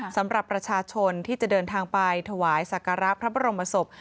สำหรับประชาชนที่จะเดินทางไปถวายสักการะพระบรมศพ